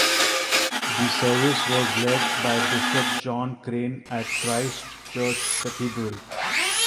The service was led by Bishop John Craine at Christ Church Cathedral.